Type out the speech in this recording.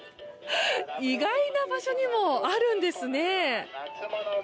意外な場所にもあるんですね。